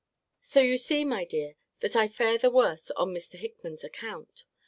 So you see, my dear, that I fare the worse on Mr. Hickman's account!